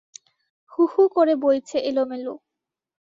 হু হু করে বইছে এলোমেলো।